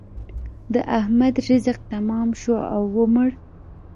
د احمد رزق تمام شو او ومړ.